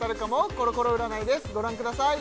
コロコロ占いですご覧ください